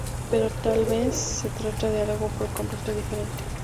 Pero tal vez se trata de algo por completo diferente.